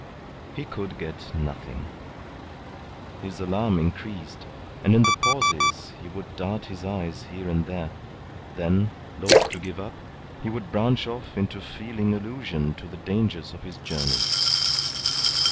He could get nothing. His alarm increased, and in the pauses he would dart his eyes here and there; then, loth to give up, he would branch off into feeling allusion to the dangers of his journey.